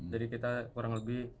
jadi kita kurang lebih